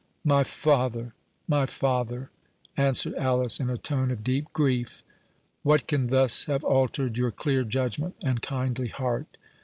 "My father, my father," answered Alice, in a tone of deep grief, "what can thus have altered your clear judgment and kindly heart!